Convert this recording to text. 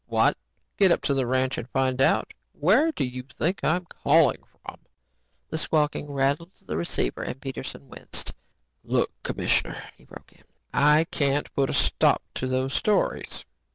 What? Get up to the ranch and find out. Where do you think I'm calling from?" The squawking rattled the receiver and Peterson winced. "Look, commissioner," he broke in, "I can't put a stop to those stories.